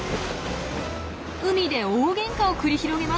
海で大げんかを繰り広げます。